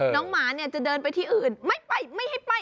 น้องหมาจะเดินไปที่อื่นไม่ไปไม่ให้ไป